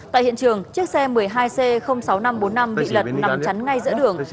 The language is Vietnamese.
tại hiện trường chiếc xe một mươi hai c sáu nghìn năm trăm bốn mươi năm bị lật nằm chắn ngay giữa đường